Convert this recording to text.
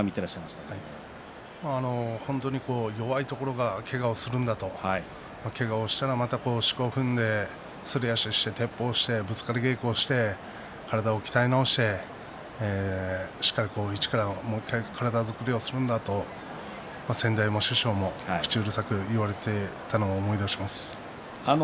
本当に弱いところがけがをするんだけがをしたら、またしこを踏んですり足をしててっぽうしてぶつかり稽古をして体を鍛え直してしっかり一から体作りをするんだと先代の師匠に口うるさく言われていたのを思い出します。